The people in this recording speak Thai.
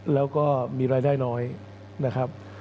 แล้วก็มีรายได้น้อยนะครับ